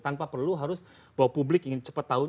tanpa perlu harus bahwa publik ingin cepat tahu